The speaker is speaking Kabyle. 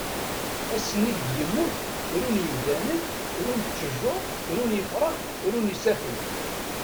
Ass-nni deg yemmut run yemdanen, runt tjuṛ, run ifrax, run isaffen.